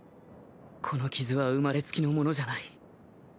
この傷は生まれつきのものじゃない